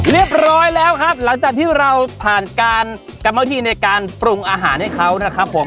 เรียบร้อยแล้วครับหลังจากที่เราผ่านการกัมเม้าที่ในการปรุงอาหารให้เขานะครับผม